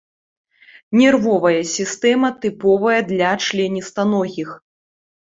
Нервовая сістэма тыповая для членістаногіх.